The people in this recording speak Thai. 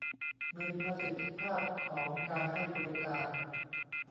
มีประสิทธิภาพของการให้บริการ